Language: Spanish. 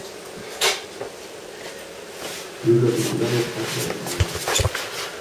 Libro titulado "Patria de palabras".